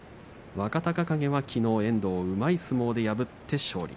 若隆景はきのう遠藤をうまい相撲で破って勝利。